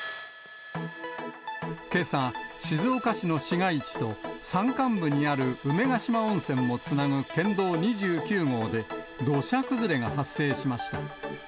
現在、重機などで撤去作業が行わけさ、静岡市の市街地と、山間部にある梅ヶ島温泉をつなぐ県道２９号で、土砂崩れが発生しました。